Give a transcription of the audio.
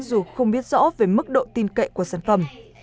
dù không biết rõ về mức độ tin cậy của sản phẩm